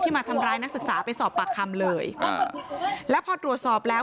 มาทำร้ายนักศึกษาไปสอบปากคำเลยอ่าแล้วพอตรวจสอบแล้ว